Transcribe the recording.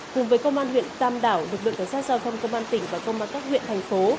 cùng với công an huyện tam đảo lực lượng cảnh sát giao thông công an tỉnh và công an các huyện thành phố